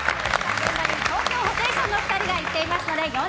現場に東京ホテイソンのお二人が行っています。